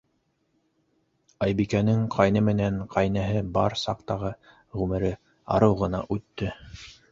Айбикәнең ҡайны менән ҡәйнәһе бар саҡтағы ғүмере арыу ғына үтте.